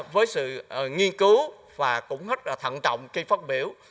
với sự nghiên cứu và cũng rất là thận trọng khi phát biểu